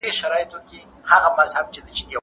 دا څه سِر دی موږ ته ژر حقیقت وایه